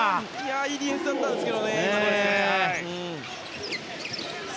いいディフェンスであったんですが。